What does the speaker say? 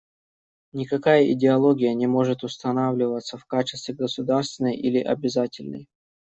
Никакая идеология не может устанавливаться в качестве государственной или обязательной.